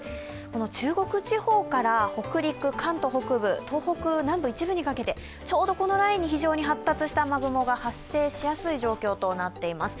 この中国地方から北陸、関東北部、東北南部一部にかけてちょうどこのラインにかけて発達した雨雲がかかりやすい状態となっています。